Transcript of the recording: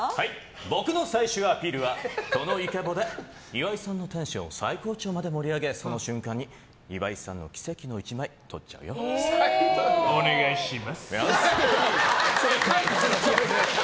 僕の最終アピールはこのイケボで岩井さんのテンションを最高潮に盛り上げその瞬間に岩井さんの奇跡の１枚お願いしますっ。